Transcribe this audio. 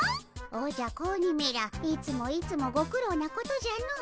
おじゃ子鬼めらいつもいつもご苦労なことじゃの。